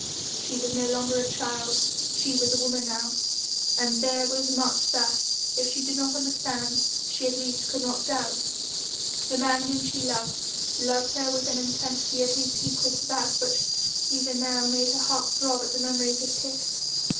she was no longer a child, she was a woman now, and there was much that if she did not understand she at least could not doubt. The man whom she loved, loved her with an intensity at least equal to that which even now made her heart throb at the memory of his kiss.